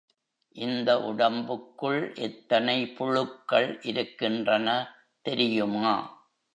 இந்த உடம்புக்குள் எத்தனை புழுக்கள் இருக்கின்றன தெரியுமா?